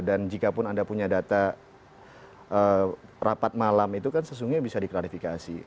dan jikapun anda punya data rapat malam itu kan sesungguhnya bisa diklarifikasi